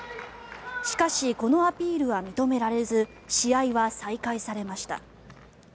しかしこのアピールは認められず試合は再開されました。